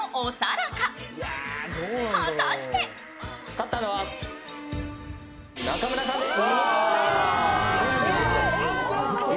勝ったのは中村さんです。